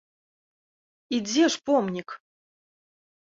І дзе ж помнік?